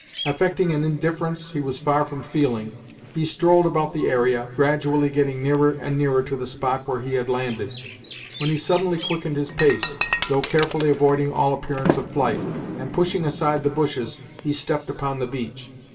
Affecting an indifference he was far from feeling, he strolled about the area, gradually getting nearer and nearer to the spot where he had landed, when he suddenly quickened his pace, though carefully avoiding all appearance of flight, and pushing aside the bushes, he stepped upon the beach.